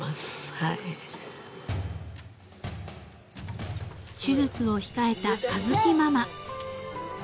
［手術を控えた佳月ママ］